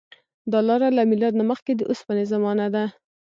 دا لاره له میلاد نه مخکې د اوسپنې زمانې ده.